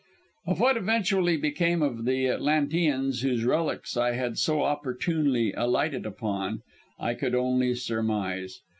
"Of what eventually became of the Atlanteans whose relics I had so opportunely alighted upon, I could only surmise.